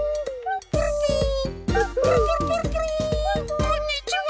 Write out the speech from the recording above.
こんにちは。